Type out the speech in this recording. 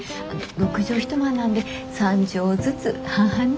６畳一間なんで３畳ずつ半々に。